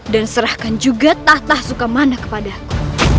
dan serahkan juga tahta suka mana kepadaku